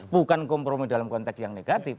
bukan kompromi dalam konteks yang negatif